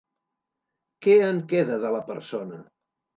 Què en queda, de la persona?